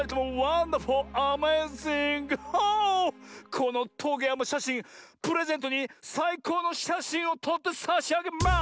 このトゲやまシャシンプレゼントにさいこうのしゃしんをとってさしあげます！